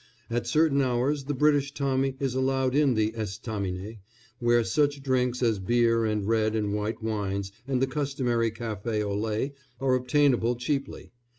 At certain hours the British Tommy is allowed in the estaminets, where such drinks as beer and red and white wines and the customary café au lait are obtainable cheaply.